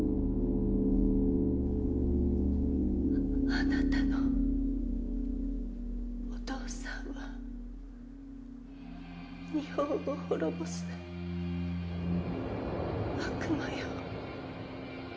あなたのお父さんは日本を滅ぼす悪魔よ。